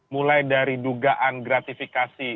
mulai dari dugaan gratifikasi